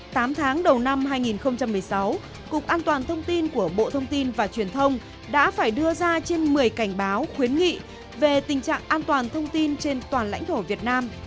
tám tháng đầu năm hai nghìn một mươi sáu cục an toàn thông tin của bộ thông tin và truyền thông đã phải đưa ra trên một mươi cảnh báo khuyến nghị về tình trạng an toàn thông tin trên toàn lãnh thổ việt nam